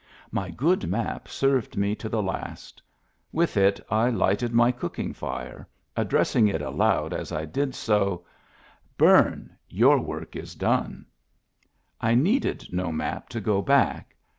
My good map served me to the last ; with it I lighted my cooking fire, addressing it aloud as I did so, " Bum I your work is done I I needed no map to go back!